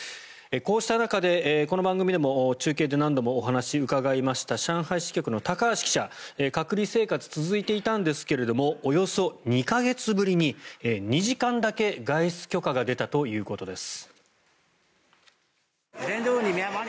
こうした中で、この番組でも中継で何度もお話を伺いました上海支局の高橋記者隔離生活が続いていたんですがおよそ２か月ぶりに２時間だけ外出許可が出たということです。